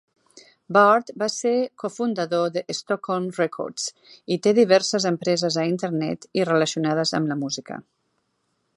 Bard va ser cofundador de Stockholm Records i té diverses empreses a internet i relacionades amb la música.